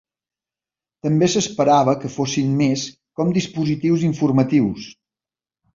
També s'esperava que fossin més com dispositius informatius.